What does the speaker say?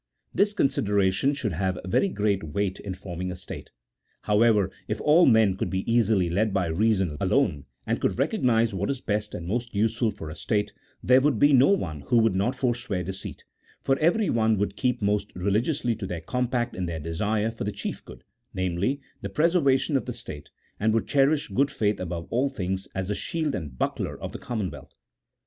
This consideration should have very great weight in forming a state. However, if all men could be easily led by reason alone, and could recognize what is best and most useful for a state, there would be no one who would not forswear deceit, for every one would keep most religiously to their compact in their desire for the chief good, namely, the preservation of the state, and would cherish good faith above all things as the shield and buckler of the commonwealth.